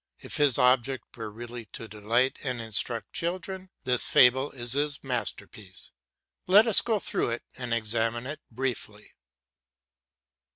If his object were really to delight and instruct children, this fable is his masterpiece. Let us go through it and examine it briefly.